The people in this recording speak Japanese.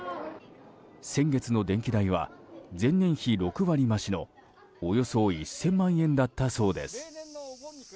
先月の電気代は前年比６割増しのおよそ１０００万円だったそうです。